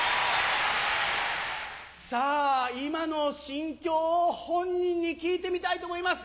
さぁ今の心境を本人に聞いてみたいと思います。